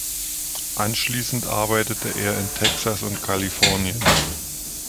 Anschließend arbeitete er in Texas und Kalifornien.